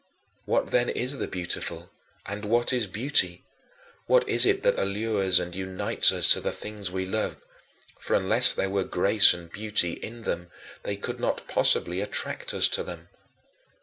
What then is the beautiful? And what is beauty? What is it that allures and unites us to the things we love; for unless there were a grace and beauty in them, they could not possibly attract us to them?"